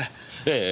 ええ。